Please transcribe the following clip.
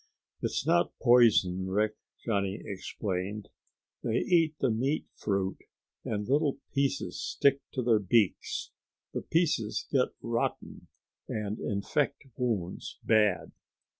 "It's not poison, Rick," Johnny explained. "They eat the meat fruit and little pieces stick to their beaks. The pieces get rotten and infect wounds bad."